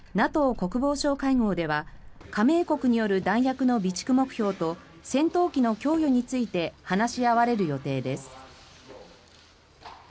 国防相会合では加盟国による弾薬の備蓄目標と戦闘機の供与について話し合われる予定です。